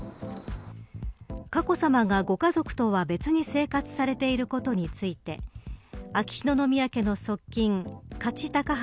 佳子さまがご家族とは別に生活されていることについて秋篠宮家の側近加地隆治